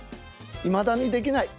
いまだにできない。